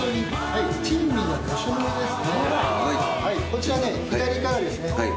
こちらね左からですね